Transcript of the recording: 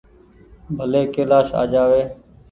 ڀلي ڪيلآش آ جآوي ۔